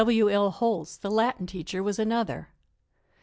W. L. Holtz, the Latin teacher, was another.